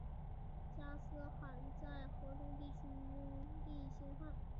加兹罕在河中地区拥立新汗。